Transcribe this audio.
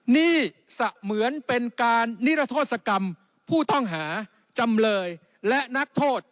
นี่เหมือนเป็นการนิรโทษกรรมผู้ต้องหาจำเลยและนักโทษ